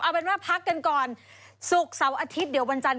เอาเป็นว่าพักกันก่อนศุกร์เสาร์อาทิตย์เดี๋ยววันจันทร์